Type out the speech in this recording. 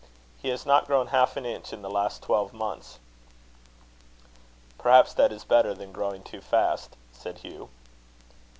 He has not grown half an inch in the last twelve months." "Perhaps that is better than growing too fast," said Hugh.